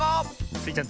スイちゃん